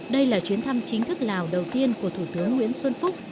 đây là chuyến thăm chính thức lào đầu tiên của thủ tướng nguyễn xuân phúc